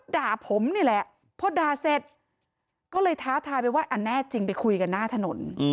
ด่าผมนี่แหละพอด่าเสร็จก็เลยท้าทายไปว่าอันแน่จริงไปคุยกันหน้าถนน